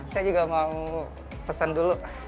saya juga mau pesen dulu